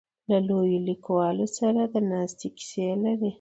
له لویو لیکوالو سره د ناستې کیسې لري.